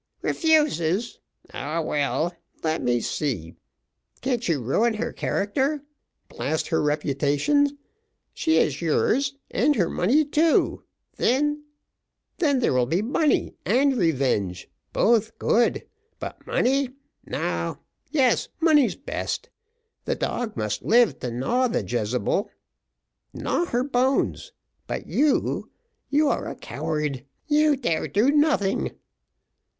"Refuses ah, well let me see: can't you ruin her character, blast her reputation; she is yours and her money too; then, then there will be money and revenge both good; but money no yes, money's best. The dog must live, to gnaw the Jezebel gnaw her bones but you, you are a coward you dare do nothing."